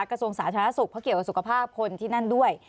กระทรวงสาธารณสุขเพราะเกี่ยวกับสุขภาพคนที่นั่นด้วย